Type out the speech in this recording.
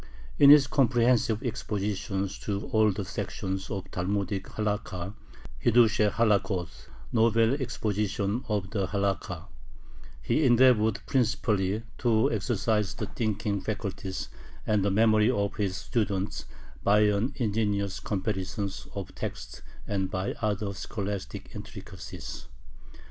In his comprehensive expositions to all the sections of the Talmudic Halakha (Hiddushe Halakhoth, "Novel Expositions of the Halakha"), he endeavored principally to exercise the thinking faculties and the memory of his students by an ingenious comparison of texts and by other scholastic intricacies.